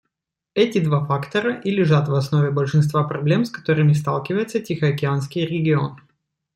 Эти два фактора и лежат в основе большинства проблем, с которыми сталкивается Тихоокеанский регион.